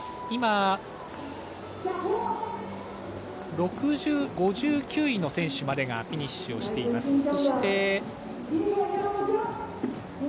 今、５９位の選手までがフィニッシュしています。